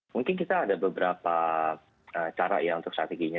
mungkin kita ada beberapa cara ya untuk strateginya